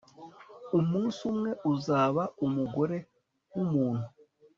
umunsi umwe uzaba umugore wumuntu